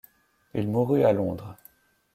Il mourut à Londres.